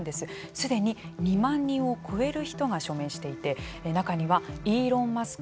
すでに２万人を超える人が署名していて中にはイーロン・マスク